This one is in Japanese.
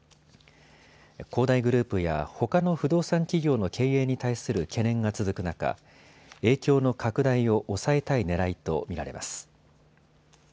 恒大グループやほかの不動産企業の経営に対する懸念が続く中、影響の拡大を抑えたいねらいと見られます。